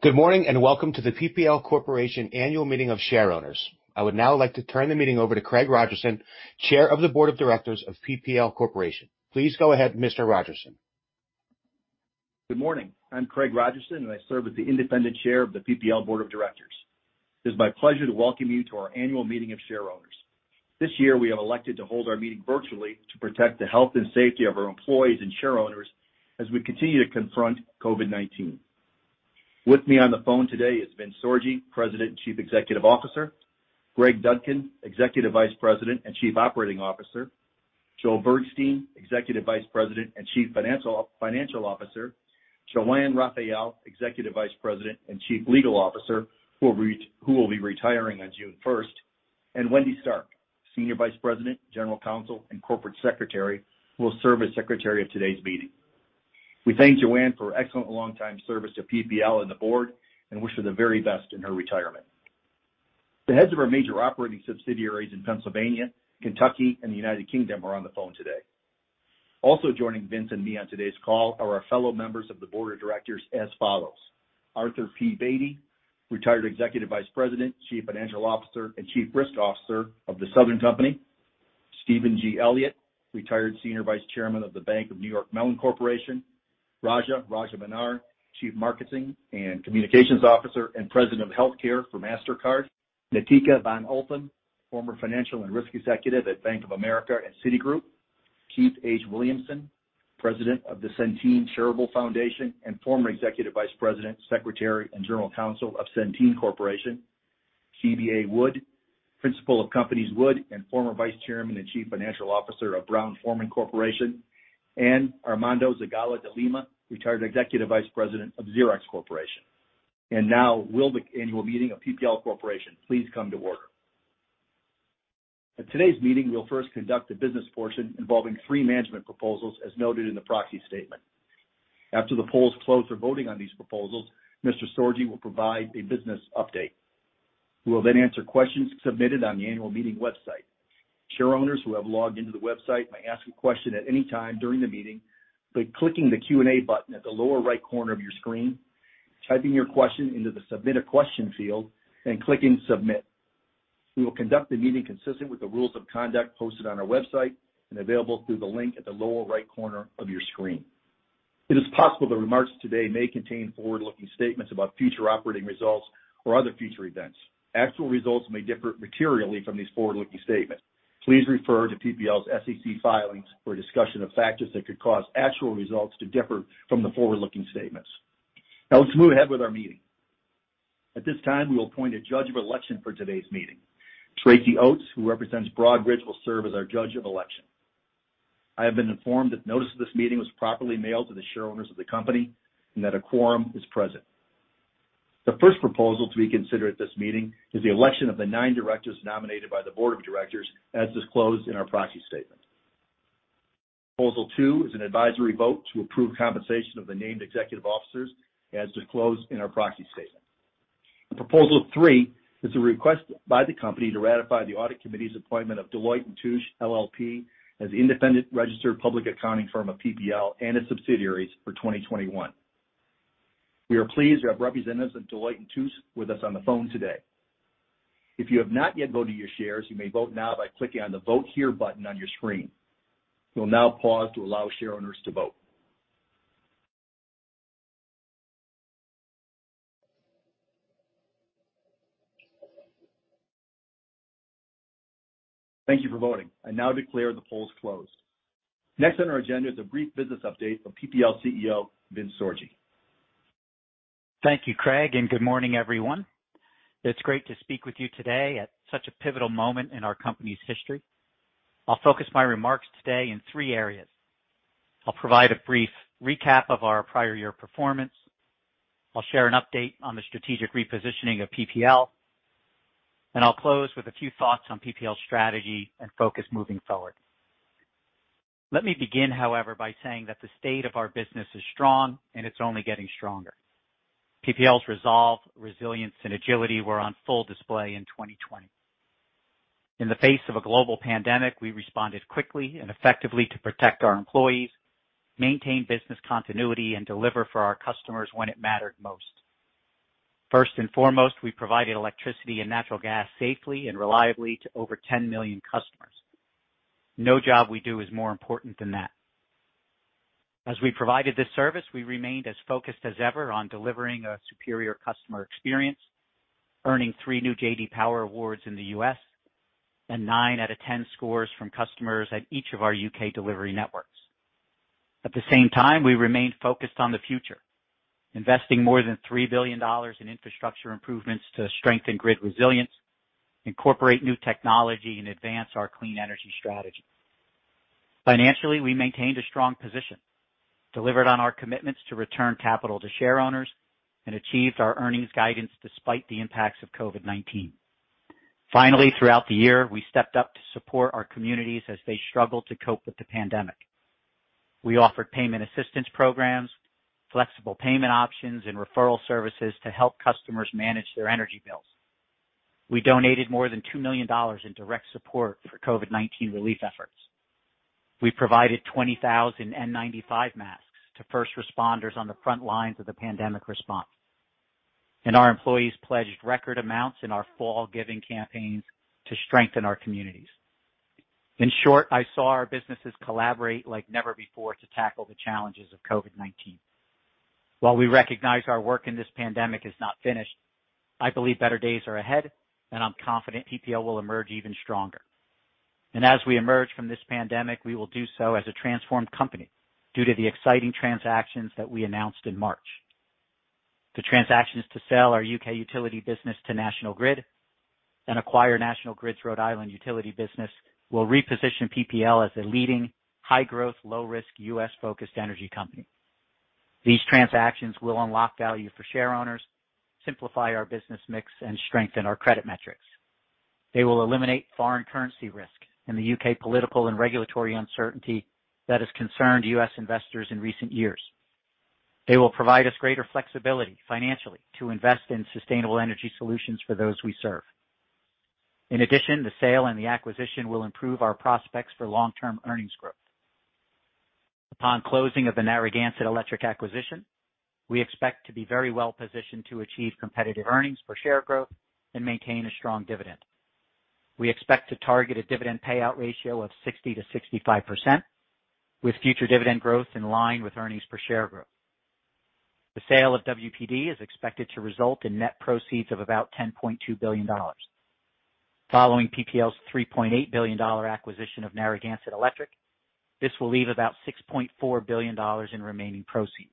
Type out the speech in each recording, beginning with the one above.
Good morning. Welcome to the PPL Corporation Annual Meeting of Shareowners. I would now like to turn the meeting over to Craig Rogerson, Chair of the Board of Directors of PPL Corporation. Please go ahead, Mr. Rogerson. Good morning. I'm Craig A. Rogerson, I serve as the independent Chair of the PPL Board of Directors. It is my pleasure to welcome you to our annual meeting of shareowners. This year, we have elected to hold our meeting virtually to protect the health and safety of our employees and shareowners as we continue to confront COVID-19. With me on the phone today is Vincent Sorgi, President and Chief Executive Officer, Gregory N. Dudkin, Executive Vice President and Chief Operating Officer, Joseph P. Bergstein, Jr., Executive Vice President and Chief Financial Officer, Joanne Raphael, Executive Vice President and Chief Legal Officer, who will be retiring on June 1st, Wendy Stark, Senior Vice President, General Counsel, and Corporate Secretary, who will serve as Secretary at today's meeting. We thank Joanne for her excellent longtime service to PPL and the board, wish her the very best in her retirement. The heads of our major operating subsidiaries in Pennsylvania, Kentucky, and the United Kingdom are on the phone today. Also joining Vince and me on today's call are our fellow members of the Board of Directors as follows: Arthur P. Beattie, Retired Executive Vice President, Chief Financial Officer, and Chief Risk Officer of The Southern Company, Steven G. Elliott, Retired Senior Vice Chairman of The Bank of New York Mellon Corporation, Raja Rajamannar, Chief Marketing and Communications Officer and President of Healthcare for Mastercard, Natica von Althann, Former Financial and Risk Executive at Bank of America and Citigroup, Keith H. Williamson, President of the Centene Charitable Foundation and former Executive Vice President, Secretary, and General Counsel of Centene Corporation, Phoebe A. Wood, Principal of Companies Wood and former Vice Chairman and Chief Financial Officer of Brown-Forman Corporation, and Armando Zagalo de Lima, Retired Executive Vice President of Xerox Corporation. Now we'll begin the annual meeting of PPL Corporation. Please come to order. At today's meeting, we'll first conduct the business portion involving three management proposals as noted in the proxy statement. After the polls close for voting on these proposals, Mr. Sorgi will provide a business update. We will then answer questions submitted on the annual meeting website. Shareowners who have logged into the website may ask a question at any time during the meeting by clicking the Q&A button at the lower right corner of your screen, typing your question into the Submit a Question field, and clicking Submit. We will conduct the meeting consistent with the rules of conduct posted on our website and available through the link at the lower right corner of your screen. It is possible the remarks today may contain forward-looking statements about future operating results or other future events. Actual results may differ materially from these forward-looking statements. Please refer to PPL's SEC filings for a discussion of factors that could cause actual results to differ from the forward-looking statements. Let's move ahead with our meeting. At this time, we will appoint a judge of election for today's meeting. Tracy Oats, who represents Broadridge, will serve as our judge of election. I have been informed that notice of this meeting was properly mailed to the shareowners of the company and that a quorum is present. The first proposal to be considered at this meeting is the election of the nine directors nominated by the board of directors as disclosed in our proxy statement. Proposal two is an advisory vote to approve compensation of the named executive officers as disclosed in our proxy statement. Proposal three is the request by the company to ratify the Audit Committee's appointment of Deloitte & Touche LLP as the independent registered public accounting firm of PPL and its subsidiaries for 2021. We are pleased to have representatives of Deloitte & Touche with us on the phone today. If you have not yet voted your shares, you may vote now by clicking on the Vote Here button on your screen. We will now pause to allow shareowners to vote. Thank you for voting. I now declare the polls closed. Next on our agenda is a brief business update from PPL CEO, Vince Sorgi. Thank you, Craig. Good morning, everyone. It's great to speak with you today at such a pivotal moment in our company's history. I'll focus my remarks today in three areas. I'll provide a brief recap of our prior year performance. I'll share an update on the strategic repositioning of PPL, and I'll close with a few thoughts on PPL's strategy and focus moving forward. Let me begin, however, by saying that the state of our business is strong, and it's only getting stronger. PPL's resolve, resilience, and agility were on full display in 2020. In the face of a global pandemic, we responded quickly and effectively to protect our employees, maintain business continuity, and deliver for our customers when it mattered most. First and foremost, we provided electricity and natural gas safely and reliably to over 10 million customers. No job we do is more important than that. As we provided this service, we remained as focused as ever on delivering a superior customer experience, earning three new J.D. Power awards in the U.S., and nine out of 10 scores from customers at each of our U.K. delivery networks. At the same time, we remained focused on the future, investing more than $3 billion in infrastructure improvements to strengthen grid resilience, incorporate new technology, and advance our clean energy strategy. Financially, we maintained a strong position, delivered on our commitments to return capital to shareowners, and achieved our earnings guidance despite the impacts of COVID-19. Finally, throughout the year, we stepped up to support our communities as they struggled to cope with the pandemic. We offered payment assistance programs, flexible payment options, and referral services to help customers manage their energy bills. We donated more than $2 million in direct support for COVID-19 relief efforts. We provided 20,000 N95 masks to first responders on the front lines of the pandemic response, and our employees pledged record amounts in our fall giving campaigns to strengthen our communities. In short, I saw our businesses collaborate like never before to tackle the challenges of COVID-19. While we recognize our work in this pandemic is not finished, I believe better days are ahead, and I'm confident PPL will emerge even stronger. As we emerge from this pandemic, we will do so as a transformed company due to the exciting transactions that we announced in March. The transactions to sell our U.K. utility business to National Grid and acquire National Grid's Rhode Island utility business will reposition PPL as a leading high-growth, low-risk, U.S.-focused energy company. These transactions will unlock value for shareowners, simplify our business mix, and strengthen our credit metrics. They will eliminate foreign currency risk and the U.K. political and regulatory uncertainty that has concerned U.S. investors in recent years. They will provide us greater flexibility financially to invest in sustainable energy solutions for those we serve. In addition, the sale and the acquisition will improve our prospects for long-term earnings growth. Upon closing of the Narragansett Electric acquisition, we expect to be very well-positioned to achieve competitive earnings per share growth and maintain a strong dividend. We expect to target a dividend payout ratio of 60%-65%, with future dividend growth in line with earnings per share growth. The sale of WPD is expected to result in net proceeds of about $10.2 billion. Following PPL's $3.8 billion acquisition of Narragansett Electric, this will leave about $6.4 billion in remaining proceeds.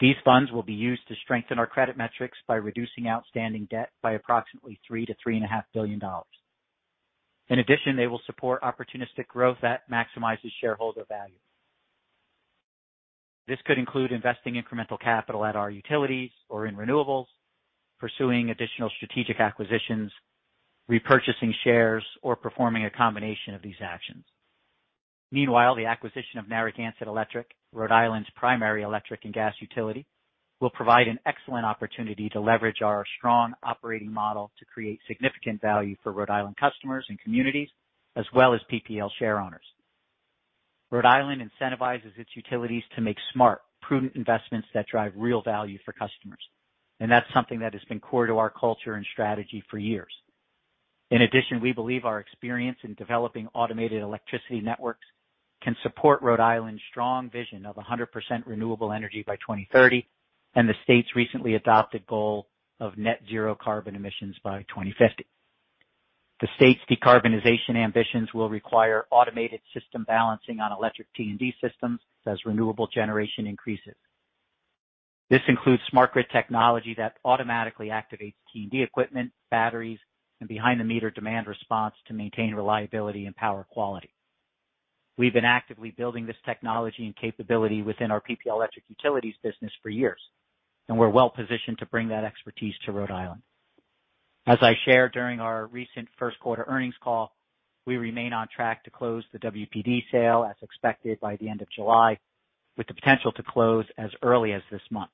These funds will be used to strengthen our credit metrics by reducing outstanding debt by approximately $3 billion-$3.5 billion. In addition, they will support opportunistic growth that maximizes shareholder value. This could include investing incremental capital at our utilities or in renewables, pursuing additional strategic acquisitions, repurchasing shares, or performing a combination of these actions. Meanwhile, the acquisition of Narragansett Electric, Rhode Island's primary electric and gas utility, will provide an excellent opportunity to leverage our strong operating model to create significant value for Rhode Island customers and communities, as well as PPL shareowners. Rhode Island incentivizes its utilities to make smart, prudent investments that drive real value for customers, and that's something that has been core to our culture and strategy for years. In addition, we believe our experience in developing automated electricity networks can support Rhode Island's strong vision of 100% renewable energy by 2030 and the state's recently adopted goal of net zero carbon emissions by 2050. The state's decarbonization ambitions will require automated system balancing on electric T&D systems as renewable generation increases. This includes smart grid technology that automatically activates T&D equipment, batteries, and behind-the-meter demand response to maintain reliability and power quality. We've been actively building this technology and capability within our PPL Electric Utilities business for years, and we're well-positioned to bring that expertise to Rhode Island. As I shared during our recent first quarter earnings call, we remain on track to close the WPD sale, as expected by the end of July, with the potential to close as early as this month.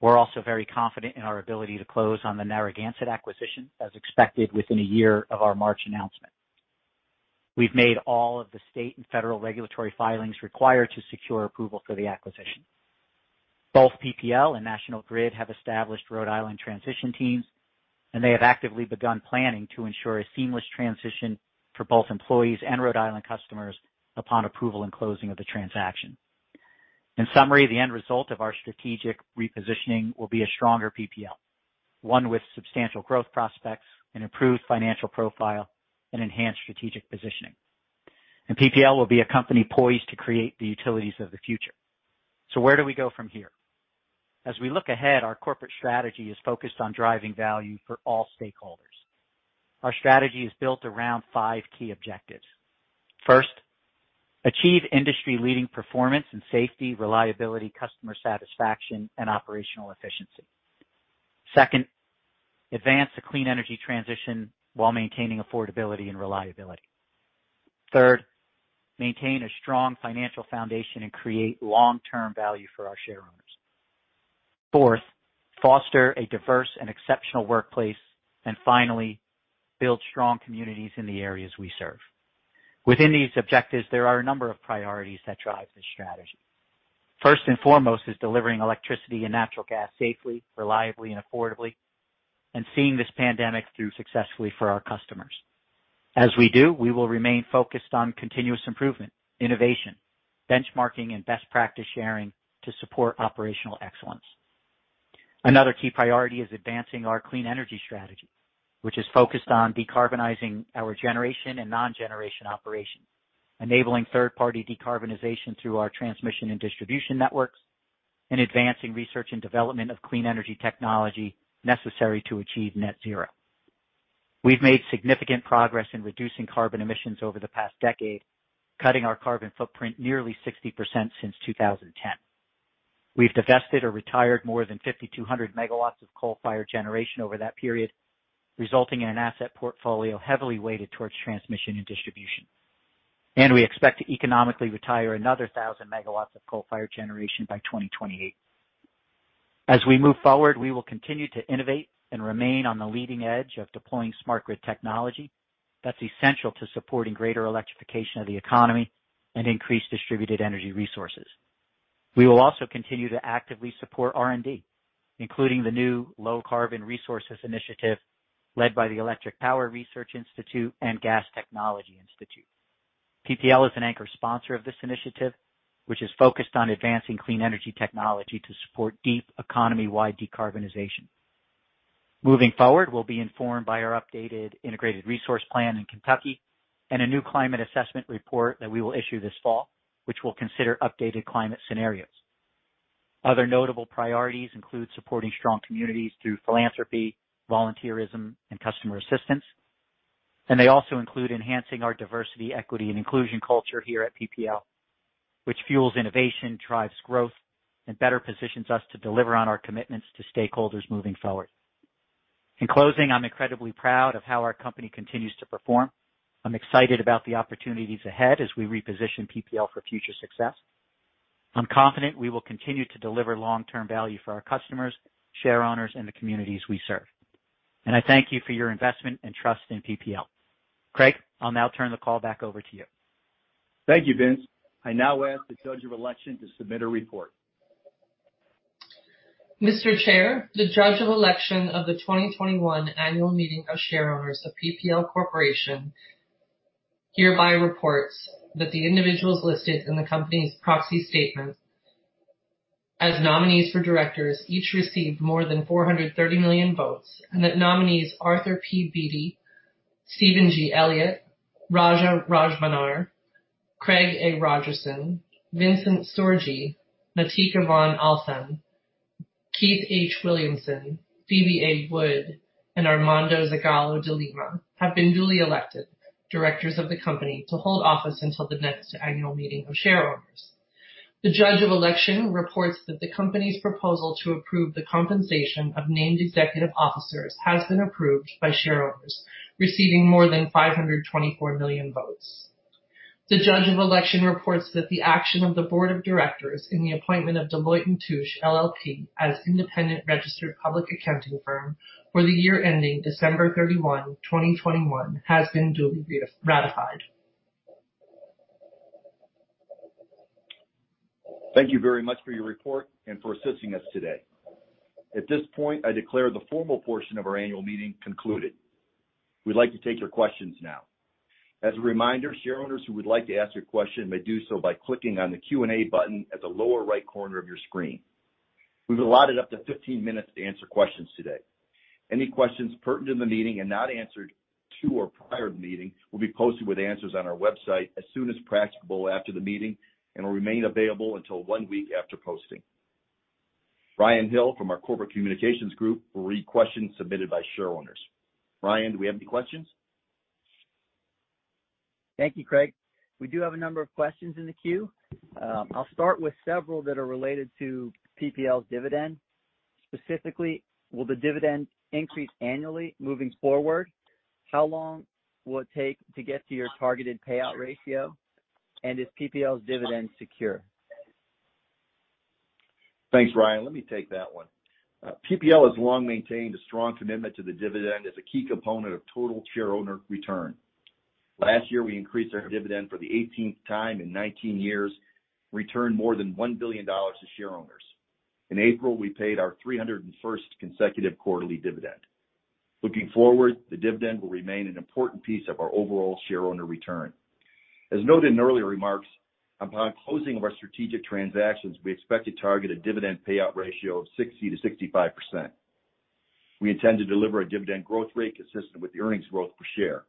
We're also very confident in our ability to close on the Narragansett acquisition, as expected within a year of our March announcement. We've made all of the state and federal regulatory filings required to secure approval for the acquisition. Both PPL and National Grid have established Rhode Island transition teams. They have actively begun planning to ensure a seamless transition for both employees and Rhode Island customers upon approval and closing of the transaction. In summary, the end result of our strategic repositioning will be a stronger PPL, one with substantial growth prospects, an improved financial profile, and enhanced strategic positioning. PPL will be a company poised to create the utilities of the future. Where do we go from here? As we look ahead, our corporate strategy is focused on driving value for all stakeholders. Our strategy is built around five key objectives. First, achieve industry-leading performance in safety, reliability, customer satisfaction, and operational efficiency. Second, advance the clean energy transition while maintaining affordability and reliability. Third, maintain a strong financial foundation and create long-term value for our shareowners. Fourth, foster a diverse and exceptional workplace, and finally, build strong communities in the areas we serve. Within these objectives, there are a number of priorities that drive the strategy. First and foremost is delivering electricity and natural gas safely, reliably, and affordably, and seeing this pandemic through successfully for our customers. As we do, we will remain focused on continuous improvement, innovation, benchmarking, and best practice sharing to support operational excellence. Another key priority is advancing our clean energy strategy, which is focused on decarbonizing our generation and non-generation operations, enabling third-party decarbonization through our transmission and distribution networks, and advancing research and development of clean energy technology necessary to achieve net zero. We've made significant progress in reducing carbon emissions over the past decade, cutting our carbon footprint nearly 60% since 2010. We've divested or retired more than 5,200 megawatts of coal-fired generation over that period, resulting in an asset portfolio heavily weighted towards transmission and distribution. We expect to economically retire another 1,000 megawatts of coal-fired generation by 2028. As we move forward, we will continue to innovate and remain on the leading edge of deploying smart grid technology that's essential to supporting greater electrification of the economy and increased distributed energy resources. We will also continue to actively support R&D, including the new Low-Carbon Resources Initiative led by the Electric Power Research Institute and Gas Technology Institute. PPL is an anchor sponsor of this initiative, which is focused on advancing clean energy technology to support deep economy-wide decarbonization. Moving forward, we'll be informed by our updated integrated resource plan in Kentucky and a new climate assessment report that we will issue this fall, which will consider updated climate scenarios. Other notable priorities include supporting strong communities through philanthropy, volunteerism, and customer assistance. They also include enhancing our diversity, equity, and inclusion culture here at PPL, which fuels innovation, drives growth, and better positions us to deliver on our commitments to stakeholders moving forward. In closing, I'm incredibly proud of how our company continues to perform. I'm excited about the opportunities ahead as we reposition PPL for future success. I'm confident we will continue to deliver long-term value for our customers, share owners, and the communities we serve. I thank you for your investment and trust in PPL. Craig, I'll now turn the call back over to you. Thank you, Vince. I now ask the Judge of Election to submit a report. Mr. Chair, the Judge of Election of the 2021 annual meeting of share owners of PPL Corporation hereby reports that the individuals listed in the company's proxy statement as nominees for directors each received more than 430 million votes, and that nominees Arthur P. Beattie, Steven G. Elliott, Raja Rajamannar, Craig A. Rogerson, Vincent Sorgi, Natica von Althann, Keith H. Williamson, Phoebe A. Wood, and Armando Zagalo de Lima, have been duly elected directors of the company to hold office until the next annual meeting of share owners. The Judge of Election reports that the company's proposal to approve the compensation of named executive officers has been approved by share owners receiving more than 524 million votes. The Judge of Election reports that the action of the board of directors in the appointment of Deloitte & Touche LLP as independent registered public accounting firm for the year ending December 31, 2021, has been duly ratified. Thank you very much for your report and for assisting us today. At this point, I declare the formal portion of our annual meeting concluded. We'd like to take your questions now. As a reminder, share owners who would like to ask a question may do so by clicking on the Q&A button at the lower right corner of your screen. We've allotted up to 15 minutes to answer questions today. Any questions pertinent to the meeting and not answered to or prior to the meeting will be posted with answers on our website as soon as practicable after the meeting and will remain available until one week after posting. Ryan Hill from our corporate communications group will read questions submitted by share owners. Ryan, do we have any questions? Thank you, Craig. We do have a number of questions in the queue. I'll start with several that are related to PPL's dividend. Specifically, will the dividend increase annually moving forward? How long will it take to get to your targeted payout ratio? Is PPL's dividend secure? Thanks, Ryan. Let me take that one. PPL has long maintained a strong commitment to the dividend as a key component of total share owner return. Last year, we increased our dividend for the 18th time in 19 years, returned more than $1 billion to share owners. In April, we paid our 301st consecutive quarterly dividend. Looking forward, the dividend will remain an important piece of our overall share owner return. As noted in earlier remarks, upon closing of our strategic transactions, we expect to target a dividend payout ratio of 60%-65%. We intend to deliver a dividend growth rate consistent with the earnings growth per share,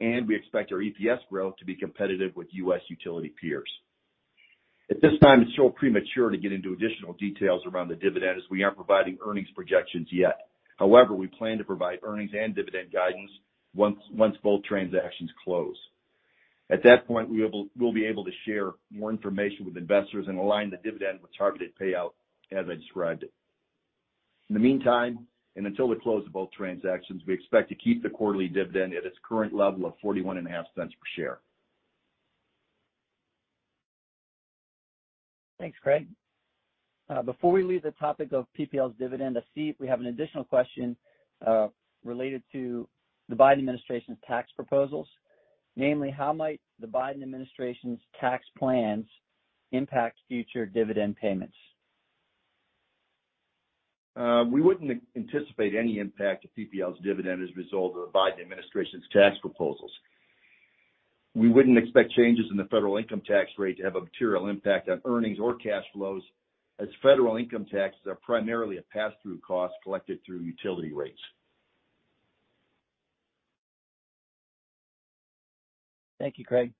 and we expect our EPS growth to be competitive with U.S. utility peers. At this time, it's still premature to get into additional details around the dividend, as we aren't providing earnings projections yet. However, we plan to provide earnings and dividend guidance once both transactions close. At that point, we'll be able to share more information with investors and align the dividend with targeted payout as I described it. In the meantime, until the close of both transactions, we expect to keep the quarterly dividend at its current level of $0.415 per share. Thanks, Craig. Before we leave the topic of PPL's dividend, I see we have an additional question related to the Biden administration's tax proposals. Namely, how might the Biden administration's tax plans impact future dividend payments? We wouldn't anticipate any impact to PPL's dividend as a result of the Biden administration's tax proposals. We wouldn't expect changes in the federal income tax rate to have a material impact on earnings or cash flows, as federal income taxes are primarily a pass-through cost collected through utility rates. Thank you, Craig.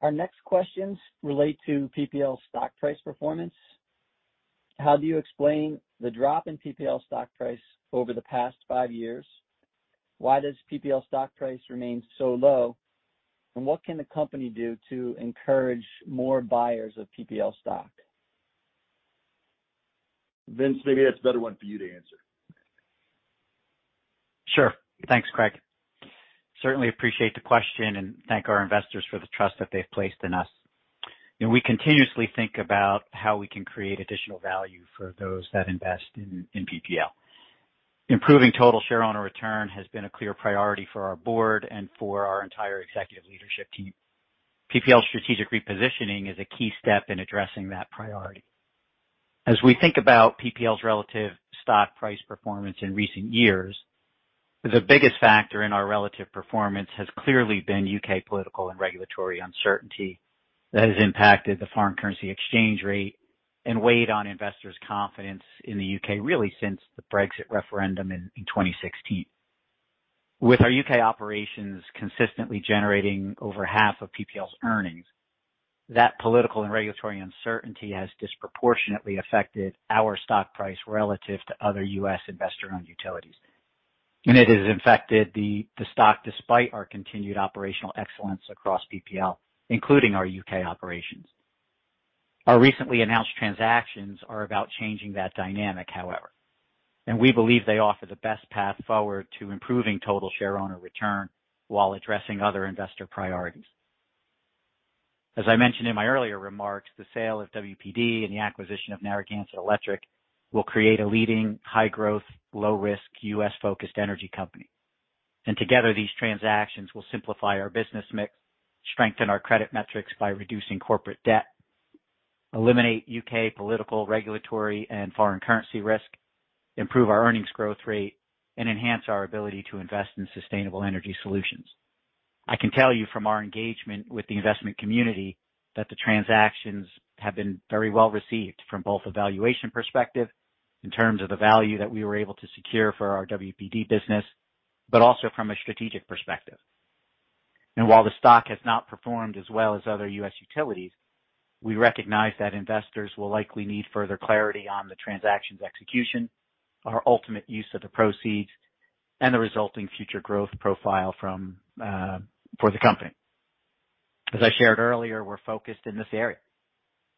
Our next questions relate to PPL's stock price performance. How do you explain the drop in PPL stock price over the past five years? Why does PPL stock price remain so low? What can the company do to encourage more buyers of PPL stock? Vince, maybe that's a better one for you to answer. Sure. Thanks, Craig. Certainly appreciate the question, and thank our investors for the trust that they've placed in us. We continuously think about how we can create additional value for those that invest in PPL. Improving total shareowner return has been a clear priority for our board and for our entire executive leadership team. PPL's strategic repositioning is a key step in addressing that priority. As we think about PPL's relative stock price performance in recent years, the biggest factor in our relative performance has clearly been U.K. political and regulatory uncertainty that has impacted the foreign currency exchange rate and weighed on investors' confidence in the U.K., really since the Brexit referendum in 2016. With our U.K. operations consistently generating over half of PPL's earnings, that political and regulatory uncertainty has disproportionately affected our stock price relative to other U.S. investor-owned utilities. It has affected the stock despite our continued operational excellence across PPL, including our U.K. operations. Our recently announced transactions are about changing that dynamic, however, and we believe they offer the best path forward to improving total shareowner return while addressing other investor priorities. As I mentioned in my earlier remarks, the sale of WPD and the acquisition of Narragansett Electric will create a leading high-growth, low-risk, U.S.-focused energy company. Together, these transactions will simplify our business mix, strengthen our credit metrics by reducing corporate debt, eliminate U.K. political, regulatory, and foreign currency risk, improve our earnings growth rate, and enhance our ability to invest in sustainable energy solutions. I can tell you from our engagement with the investment community that the transactions have been very well-received from both a valuation perspective in terms of the value that we were able to secure for our WPD business, but also from a strategic perspective. While the stock has not performed as well as other U.S. utilities, we recognize that investors will likely need further clarity on the transactions' execution, our ultimate use of the proceeds, and the resulting future growth profile for the company. As I shared earlier, we're focused in this area,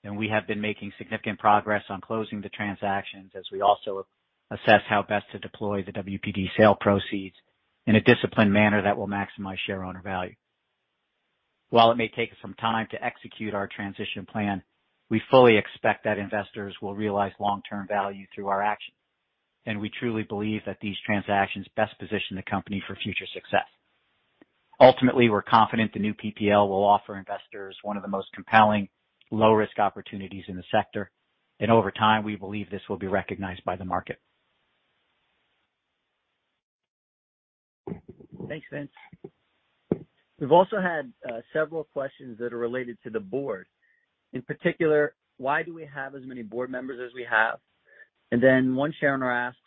and we have been making significant progress on closing the transactions as we also assess how best to deploy the WPD sale proceeds in a disciplined manner that will maximize shareowner value. While it may take some time to execute our transition plan, we fully expect that investors will realize long-term value through our actions, and we truly believe that these transactions best position the company for future success. Ultimately, we're confident the new PPL will offer investors one of the most compelling low-risk opportunities in the sector, and over time, we believe this will be recognized by the market. Thanks, Vince. We've also had several questions that are related to the board. In particular, why do we have as many board members as we have? And then one shareowner asks,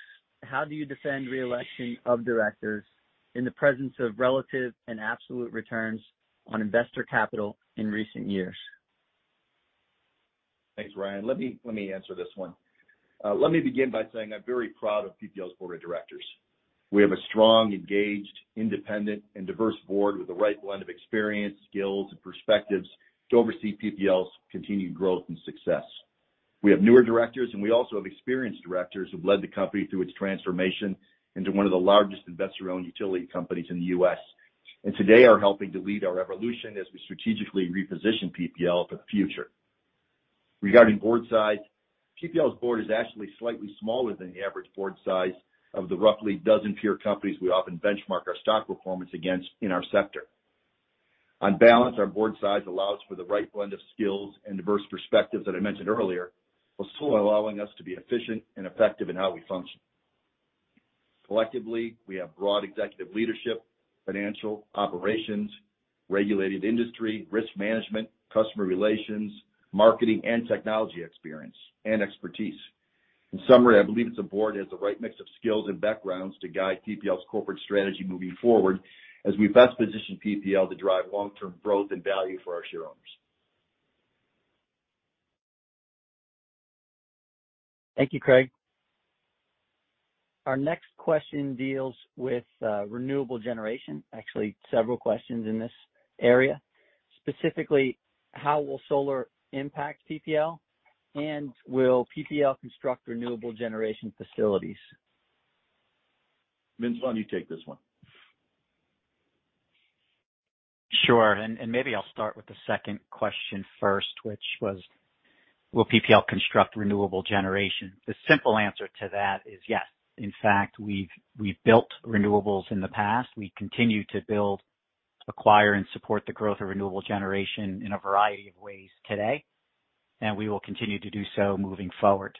"How do you defend reelection of directors in the presence of relative and absolute returns on investor capital in recent years?" Thanks, Ryan. Let me answer this one. Let me begin by saying I'm very proud of PPL's board of directors. We have a strong, engaged, independent, and diverse board with the right blend of experience, skills, and perspectives to oversee PPL's continued growth and success. We have newer directors, and we also have experienced directors who've led the company through its transformation into one of the largest investor-owned utility companies in the U.S., and today are helping to lead our evolution as we strategically reposition PPL for the future. Regarding board size, PPL's board is actually slightly smaller than the average board size of the roughly 12 peer companies we often benchmark our stock performance against in our sector. On balance, our board size allows for the right blend of skills and diverse perspectives that I mentioned earlier, while still allowing us to be efficient and effective in how we function. Collectively, we have broad executive leadership, financial operations, regulated industry, risk management, customer relations, marketing, and technology experience and expertise. In summary, I believe the board has the right mix of skills and backgrounds to guide PPL's corporate strategy moving forward as we best position PPL to drive long-term growth and value for our shareowners. Thank you, Craig. Our next question deals with renewable generation. Actually, several questions in this area. Specifically, how will solar impact PPL, and will PPL construct renewable generation facilities? Vince, why don't you take this one? Sure. Maybe I'll start with the second question first, which was, will PPL construct renewable generation? The simple answer to that is yes. In fact, we've built renewables in the past. We continue to build, acquire, and support the growth of renewable generation in a variety of ways today, and we will continue to do so moving forward.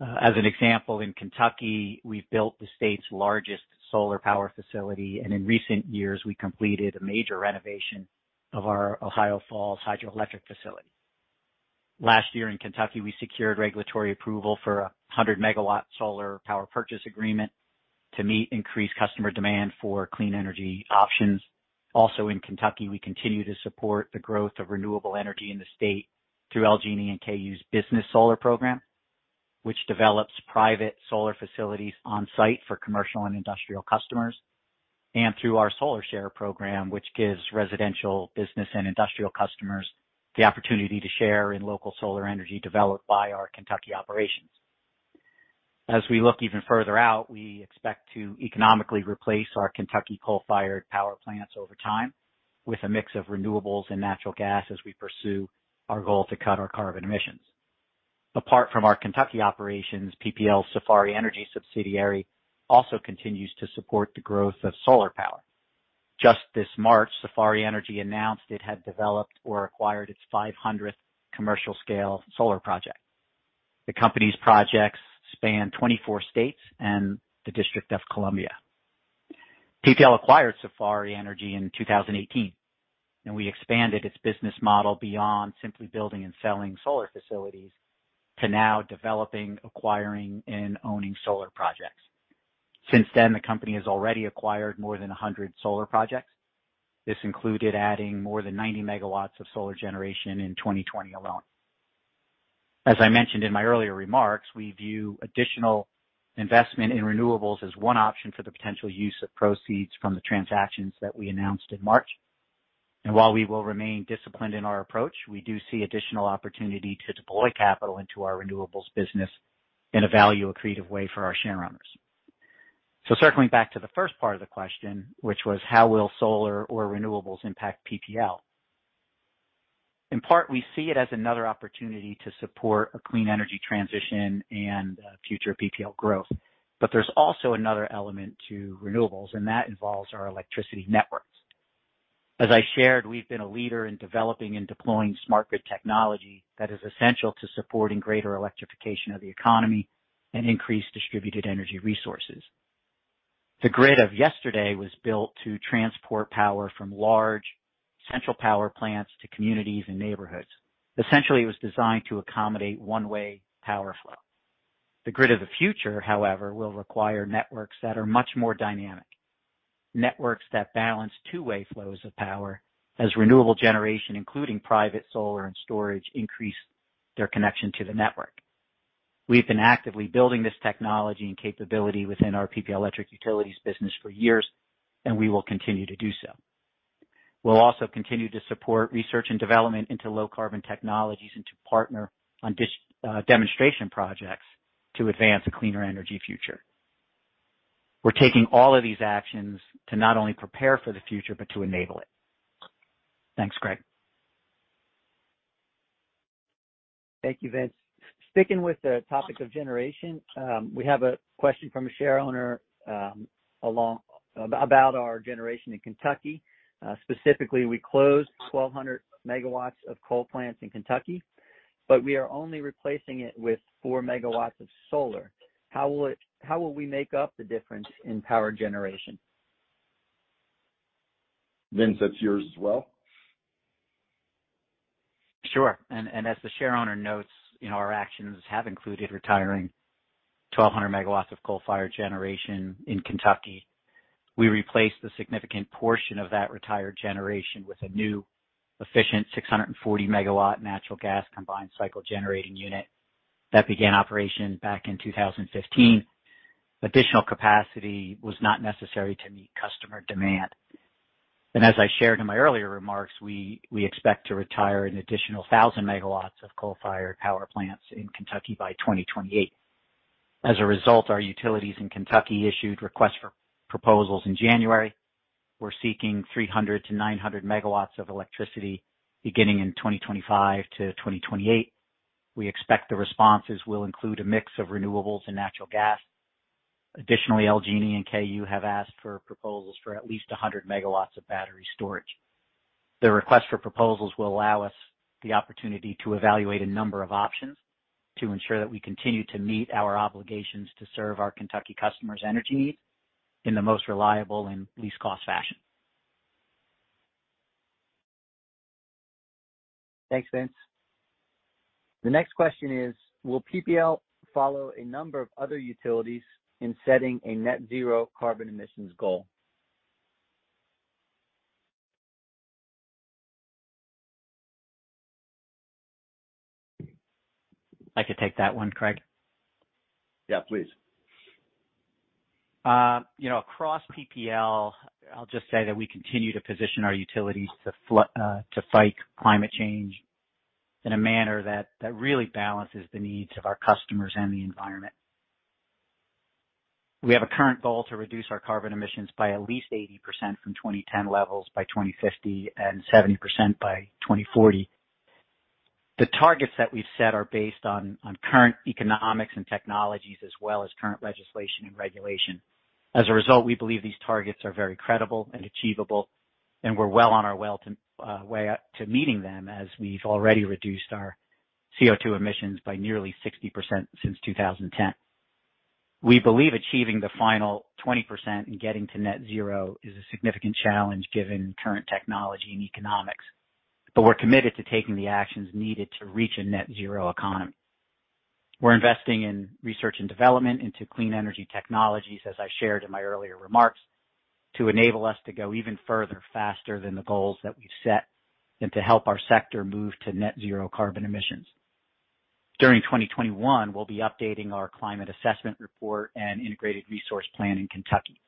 As an example, in Kentucky, we built the state's largest solar power facility, and in recent years, we completed a major renovation of our Ohio Falls hydroelectric facility. Last year in Kentucky, we secured regulatory approval for a 100-megawatt solar power purchase agreement to meet increased customer demand for clean energy options. Also in Kentucky, we continue to support the growth of renewable energy in the state through LG&E and KU's business solar program, which develops private solar facilities on-site for commercial and industrial customers. Through our Solar Share program, which gives residential business and industrial customers the opportunity to share in local solar energy developed by our Kentucky operations. As we look even further out, we expect to economically replace our Kentucky coal-fired power plants over time with a mix of renewables and natural gas as we pursue our goal to cut our carbon emissions. Apart from our Kentucky operations, PPL's Safari Energy subsidiary also continues to support the growth of solar power. Just this March, Safari Energy announced it had developed or acquired its 500th commercial-scale solar project. The company's projects span 24 states and the District of Columbia. PPL acquired Safari Energy in 2018, and we expanded its business model beyond simply building and selling solar facilities to now developing, acquiring, and owning solar projects. Since then, the company has already acquired more than 100 solar projects. This included adding more than 90 megawatts of solar generation in 2020 alone. As I mentioned in my earlier remarks, we view additional investment in renewables as one option for the potential use of proceeds from the transactions that we announced in March. While we will remain disciplined in our approach, we do see additional opportunity to deploy capital into our renewables business in a value-accretive way for our shareowners. Circling back to the first part of the question, which was how will solar or renewables impact PPL? In part, we see it as another opportunity to support a clean energy transition and future PPL growth. There's also another element to renewables, and that involves our electricity networks. As I shared, we've been a leader in developing and deploying smart grid technology that is essential to supporting greater electrification of the economy and increased distributed energy resources. The grid of yesterday was built to transport power from large central power plants to communities and neighborhoods. Essentially, it was designed to accommodate one-way power flow. The grid of the future, however, will require networks that are much more dynamic. Networks that balance two-way flows of power as renewable generation, including private solar and storage, increase their connection to the network. We've been actively building this technology and capability within our PPL Electric Utilities business for years, and we will continue to do so. We'll also continue to support research and development into low-carbon technologies and to partner on demonstration projects to advance a cleaner energy future. We're taking all of these actions to not only prepare for the future but to enable it. Thanks, Craig. Thank you, Vince. Sticking with the topic of generation, we have a question from a shareowner about our generation in Kentucky. Specifically, we closed 1,200 megawatts of coal plants in Kentucky, but we are only replacing it with four megawatts of solar. How will we make up the difference in power generation? Vince, that's yours as well. Sure. As the shareowner notes, our actions have included retiring 1,200 megawatts of coal-fired generation in Kentucky. We replaced a significant portion of that retired generation with a new efficient 640-megawatt natural gas combined cycle generating unit that began operations back in 2015. Additional capacity was not necessary to meet customer demand. As I shared in my earlier remarks, we expect to retire an additional 1,000 megawatts of coal-fired power plants in Kentucky by 2028. As a result, our utilities in Kentucky issued requests for proposals in January. We're seeking 300 to 900 megawatts of electricity beginning in 2025 to 2028. We expect the responses will include a mix of renewables and natural gas. Additionally, LG&E and KU have asked for proposals for at least 100 megawatts of battery storage. The request for proposals will allow us the opportunity to evaluate a number of options to ensure that we continue to meet our obligations to serve our Kentucky customers' energy needs in the most reliable and least cost fashion. Thanks, Vince. The next question is, will PPL follow a number of other utilities in setting a net zero carbon emissions goal? I can take that one, Craig. Yeah, please. Across PPL, I'll just say that we continue to position our utilities to fight climate change in a manner that really balances the needs of our customers and the environment. We have a current goal to reduce our carbon emissions by at least 80% from 2010 levels by 2050 and 70% by 2040. The targets that we've set are based on current economics and technologies as well as current legislation and regulation. As a result, we believe these targets are very credible and achievable, and we're well on our way to meeting them as we've already reduced our CO2 emissions by nearly 60% since 2010. We believe achieving the final 20% and getting to net zero is a significant challenge given current technology and economics. We're committed to taking the actions needed to reach a net zero economy. We're investing in research and development into clean energy technologies, as I shared in my earlier remarks, to enable us to go even further faster than the goals that we've set and to help our sector move to net zero carbon emissions. During 2021, we'll be updating our climate assessment report and integrated resource plan in Kentucky.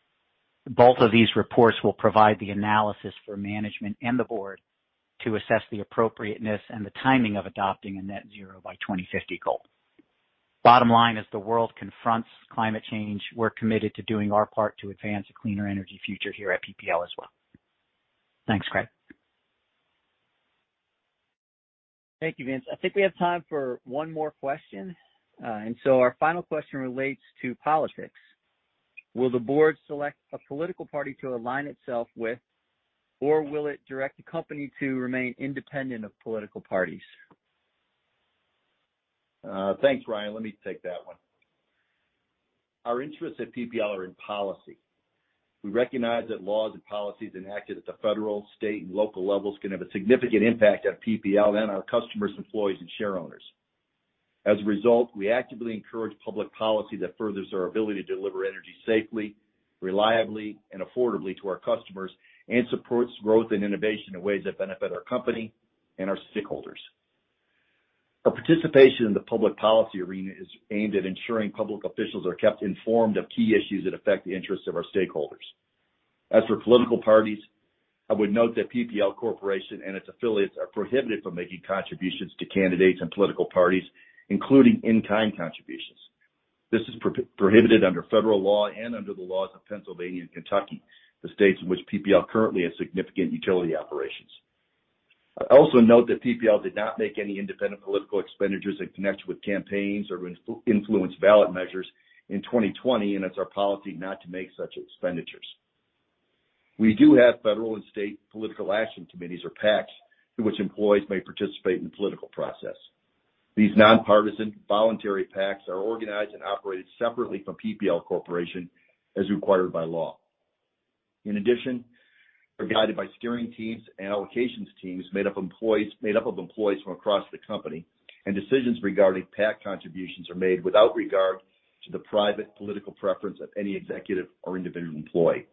Both of these reports will provide the analysis for management and the board to assess the appropriateness and the timing of adopting a net zero by 2050 goal. Bottom line, as the world confronts climate change, we're committed to doing our part to advance a cleaner energy future here at PPL as well. Thanks, Craig. Thank you, Vince. I think we have time for one more question. Our final question relates to politics. Will the board select a political party to align itself with, or will it direct the company to remain independent of political parties? Thanks, Ryan. Let me take that one. Our interests at PPL are in policy. We recognize that laws and policies enacted at the federal, state, and local levels can have a significant impact on PPL and our customers, employees, and share owners. As a result, we actively encourage public policy that furthers our ability to deliver energy safely, reliably, and affordably to our customers and supports growth and innovation in ways that benefit our company and our stakeholders. Our participation in the public policy arena is aimed at ensuring public officials are kept informed of key issues that affect the interests of our stakeholders. As for political parties, I would note that PPL Corporation and its affiliates are prohibited from making contributions to candidates and political parties, including in-kind contributions. This is prohibited under federal law and under the laws of Pennsylvania and Kentucky, the states in which PPL currently has significant utility operations. I also note that PPL did not make any independent political expenditures in connection with campaigns or influence ballot measures in 2020, and it's our policy not to make such expenditures. We do have federal and state political action committees or PACs through which employees may participate in the political process. These nonpartisan voluntary PACs are organized and operated separately from PPL Corporation as required by law. In addition, they're guided by steering teams and allocations teams made up of employees from across the company, and decisions regarding PAC contributions are made without regard to the private political preference of any executive or individual employee.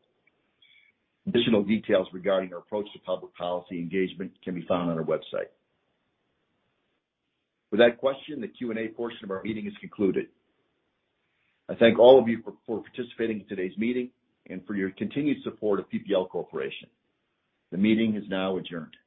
Additional details regarding our approach to public policy engagement can be found on our website. With that question, the Q&A portion of our meeting is concluded. I thank all of you for participating in today's meeting and for your continued support of PPL Corporation. The meeting is now adjourned.